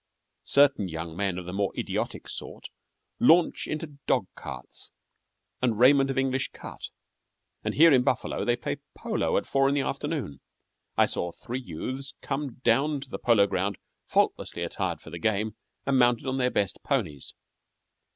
Certain young men of the more idiotic sort launch into dog carts and raiment of English cut, and here in Buffalo they play polo at four in the afternoon. I saw three youths come down to the polo ground faultlessly attired for the game and mounted on their best ponies.